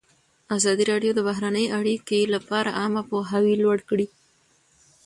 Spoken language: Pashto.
ازادي راډیو د بهرنۍ اړیکې لپاره عامه پوهاوي لوړ کړی.